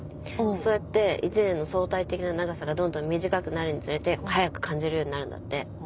そうやって１年の相対的な長さがどんどん短くなるにつれて早く感じるようになるんだって。